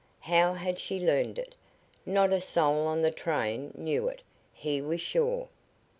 How had she learned it? Not a soul on the train knew it, he was sure.